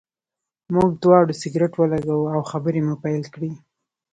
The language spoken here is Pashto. موږ دواړو سګرټ ولګاوه او خبرې مو پیل کړې.